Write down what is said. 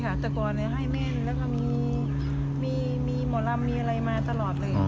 ใช่ค่ะแต่ก่อนหน่อยให้แม่นแล้วก็มีหมอลำมีอะไรมาตลอดเลย